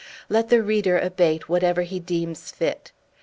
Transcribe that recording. Let the reader abate whatever he deems fit.